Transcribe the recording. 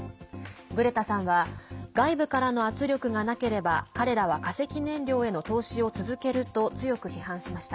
グレタさんは外部からの圧力がなければ彼らは化石燃料への投資を続けると強く批判しました。